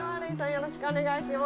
よろしくお願いします。